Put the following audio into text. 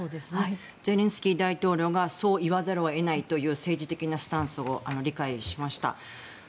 ゼレンスキー大統領がそう言わざるを得ないという政治的なスタンスを理解しました。